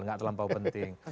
enggak terlampau penting